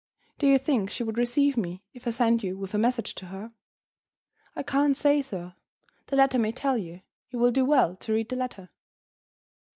"Do you think she would receive me if I sent you with a message to her?" "I can't say, sir. The letter may tell you. You will do well to read the letter."